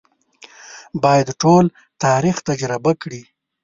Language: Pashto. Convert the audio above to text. باید ټول تاریخ تجربه کړي.